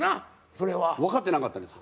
それは。分かってなかったです。